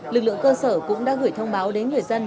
lực lượng cơ sở cũng đã gửi thông báo đến người dân